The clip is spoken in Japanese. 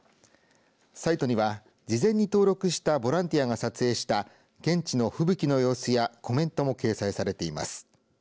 サイトには、事前に登録したボランティアが撮影した現地の吹雪の様子やコメントも掲載されています。